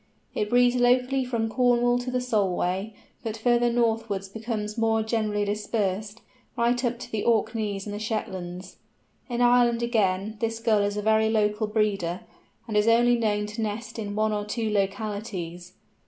It breeds locally from Cornwall to the Solway, but further northwards becomes more generally dispersed, right up to the Orkneys and the Shetlands. In Ireland, again, this Gull is a very local breeder, and is only known to nest in one or two localities.